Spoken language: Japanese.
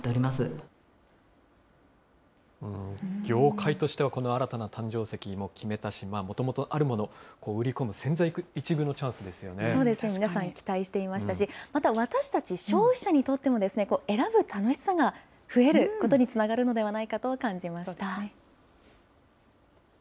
業界としては、この新たな誕生石も決めたし、もともとあるものを売り込む、そうですね、皆さん、期待していましたし、また私たち消費者にとっても、選ぶ楽しさが増えることにつながるのではないかと感じました。